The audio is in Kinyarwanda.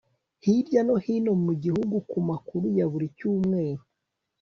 Hirya no hino mu gihugu ku makuru ya buri cyumweru